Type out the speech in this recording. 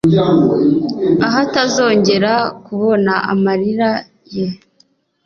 ahatazongera kubona amarira ye